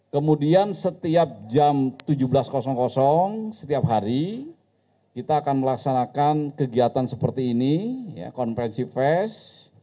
kemudian setiap jam tujuh belas setiap hari kita akan melaksanakan kegiatan seperti ini konferensi fes